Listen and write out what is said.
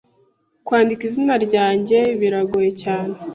Kwandika izina ryanjye biragoye cyane.